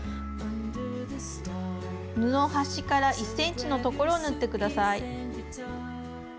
布端から１ｃｍのところを縫ってください。